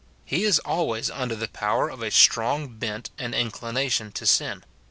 He is always under the power of a strong bent and inclination to sin.